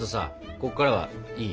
ここからはいい？